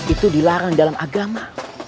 itu dilarang dalam agama